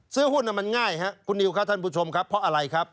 ซื้อหุ้นมันง่ายครับคุณนิวครับท่านผู้ชมครับเพราะอะไรครับ